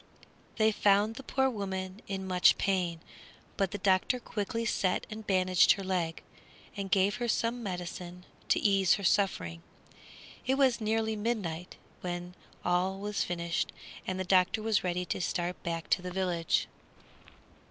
They found the poor woman in much pain, but the doctor quickly set and bandaged her leg, and gave her some medicine to ease her suffering. It was nearly midnight when all was finished and the doctor was ready to start back to the village.